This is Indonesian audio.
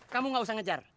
kamu nggak usah ngejar